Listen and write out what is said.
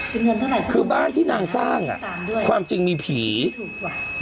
เป็นเงินเท่าไหร่คะคือบ้านที่นางสร้างอ่ะด้วยความจริงมีผีถูกว่ะ